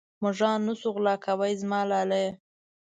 مږان نه شو غلا کوې زما لالیه.